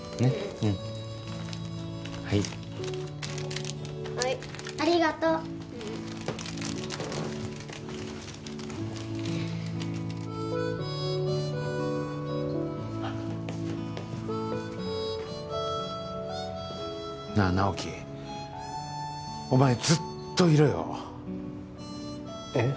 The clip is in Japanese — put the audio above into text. うんうんはいはい・ありがとうなあ直木お前ずっといろよえっ？